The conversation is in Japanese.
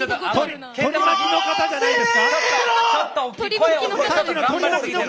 取り巻きの方じゃないですか？